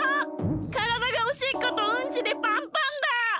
からだがおしっことうんちでパンパンだ！